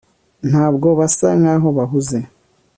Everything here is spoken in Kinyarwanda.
ntabwo basa nkaho bahuze